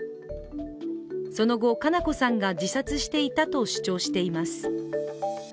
その後、佳菜子さんが自殺していたと主張しています。